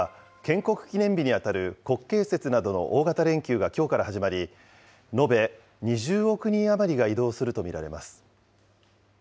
中国では建国記念日に当たる国慶節などの大型連休がきょうから始まり、延べ２０億人余りが移動すると見られます。